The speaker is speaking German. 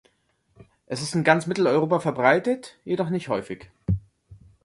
Es ist in ganz Mitteleuropa verbreitet, jedoch nicht häufig.